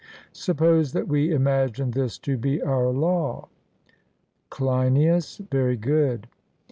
Suppose that we imagine this to be our law. CLEINIAS: Very good.